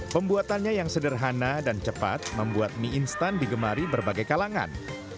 pembuatannya yang sederhana dan cepat membuat mie instan digemari berbagai kalangan